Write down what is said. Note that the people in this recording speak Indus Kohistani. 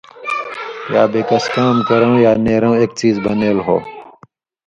یا بے کَس کام کرؤں یا نېرؤں ایک څیز بنیل ہو،